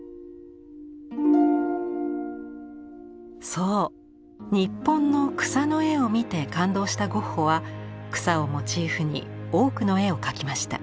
そう日本の「草の絵」を見て感動したゴッホは「草」をモチーフに多くの絵を描きました。